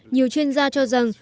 nhiều chuyên gia cho rằng